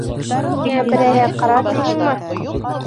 Һиңә берәйһе ҡарар тиһеңме?